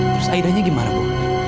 terus aidanya gimana bu